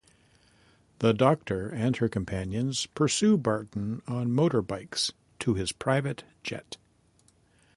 The Doctor and her companions pursue Barton on motorbikes to his private jet.